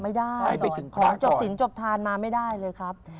ไม่ได้ไปถึงของจบสินจบทานมาไม่ได้เลยครับ